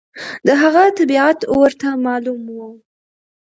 د هغه طبیعت ورته معلوم و.